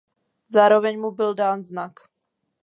Zároveň mu byl dán znak.